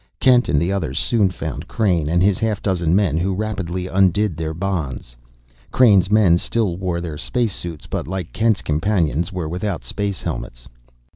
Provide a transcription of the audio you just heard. Kent and the others soon found Crain and his half dozen men who rapidly undid their bonds. Crain's men still wore their space suits, but, like Kent's companions, were without space helmets.